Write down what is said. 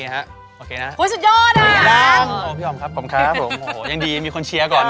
โอ้ยสุดยอดอ่ะพี่อ๋อมครับขอบคุณครับโอ้โหยังดีมีคนเชียร์ก่อน